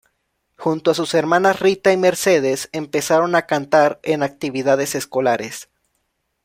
Junto a sus hermanas Rita y Mercedes empezaron a cantar en actividades escolares.